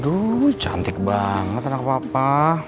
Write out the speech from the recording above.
aduh cantik banget enak papa